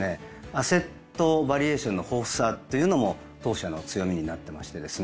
アセットバリエーションの豊富さというのも当社の強みになってましてですね。